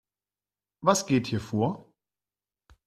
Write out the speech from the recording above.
Was geht hier vor?